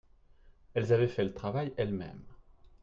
Elles avaient fait le travail elles-mêmes.